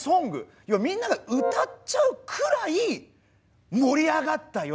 みんなが歌っちゃうくらい盛り上がったよと。